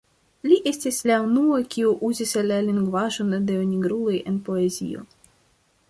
Li estis la unua kiu uzis la lingvaĵon de nigruloj en poezio.